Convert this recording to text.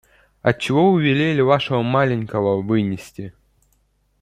Отчего вы велели вашего маленького вынести?